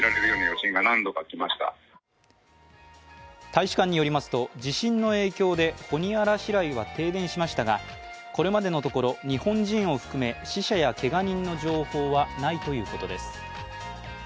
大使館によりますと、地震の影響でホニアラ市内は停電しましたがこれまでのところ、日本人を含め死者やけが人の情報はないということです。